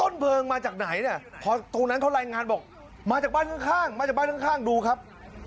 เพลิงมาจากไหนเนี่ยพอตรงนั้นเขารายงานบอกมาจากบ้านข้างมาจากบ้านข้างดูครับ